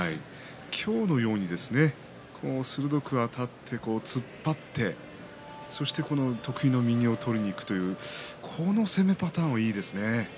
今日のように鋭くあたって突っ張って得意の右を取りにいくというこの攻めパターンもいいですね。